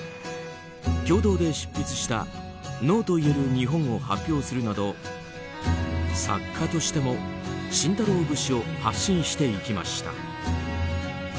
共同で執筆した「ＮＯと言える日本」を発表するなど、作家としても慎太郎節を発信していきました。